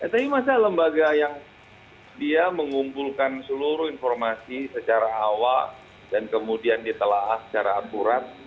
tapi masa lembaga yang dia mengumpulkan seluruh informasi secara awal dan kemudian ditelah secara akurat